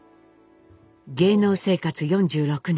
芸能生活４６年。